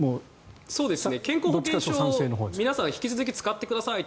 健康保険証を皆さん引き続き使ってくださいって。